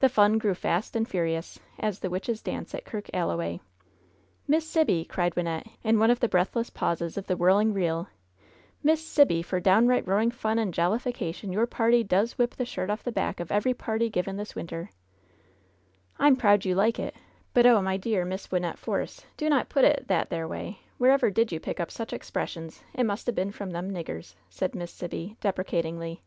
"The fun grew fast and furious" as the witches' dance at Kirk AUoway. "Miss Sibby!'* cried Wynnette, in one of the breath less pauses of the whirling reel — ^^'Miss Sibby, for down LOVE'S BITTEREST CUP right roaring fun and jollification your party does whip the shirt off the back of every party given this winter/' '^I'm proud you like it ; but, oh, my dear Miss Wyn nette Force, do not put it that there way! Wherever did you pick up sich expressions ? It must a been from them niggers," said Miss Sibby, deprecatingly.